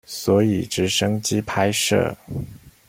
所以直升機拍攝